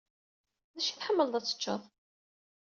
D acu ay tḥemmleḍ ad t-tecceḍ?